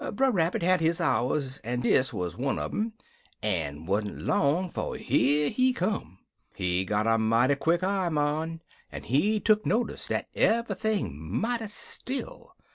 Brer Rabbit had his hours, en dis was one un um, en 't wan't long 'fo' here he come. He got a mighty quick eye, mon, en he tuck notice dat ev'ything mighty still.